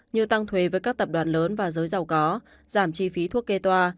như tăng thuế với các tập đoàn lớn và giới giàu có giảm chi phí thuốc kê toa